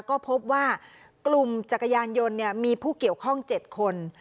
ก็พบว่ากลุ่มจักรยานยนต์มีผู้เกี่ยวข้อง๗คน